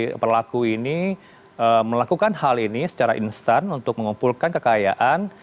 si pelaku ini melakukan hal ini secara instan untuk mengumpulkan kekayaan